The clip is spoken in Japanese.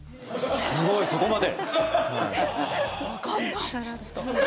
すごい、そこまで。